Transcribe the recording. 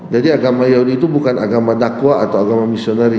jadi agama yahudi itu bukan agama dakwa atau agama misioneri